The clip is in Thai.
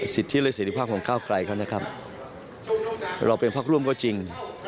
สิทธิและเสร็จภาพของก้าวไกลเขานะครับเราเป็นพักร่วมก็จริง